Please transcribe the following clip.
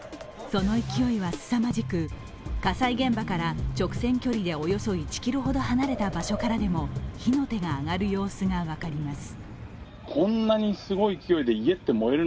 その勢いはすさまじく、火災現場から直線距離でおよそ１ｋｍほど離れた場所からでも火の手が上がる様子が分かります。